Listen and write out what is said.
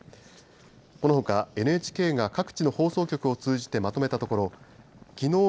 このほか、ＮＨＫが各地の放送局を通じてまとめたところきのう